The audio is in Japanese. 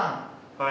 はい。